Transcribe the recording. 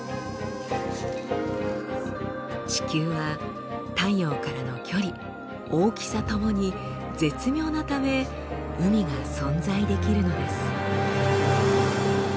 地球は太陽からの距離大きさともに絶妙なため海が存在できるのです。